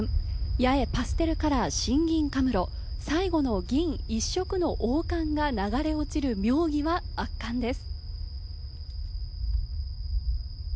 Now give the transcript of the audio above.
八重パステルカラー芯銀冠、最後の銀一色の王冠が流れ落ちる妙技は圧巻です。